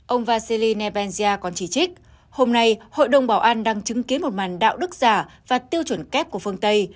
ông vaseli nebensia còn chỉ trích hôm nay hội đồng bảo an đang chứng kiến một màn đạo đức giả và tiêu chuẩn kép của phương tây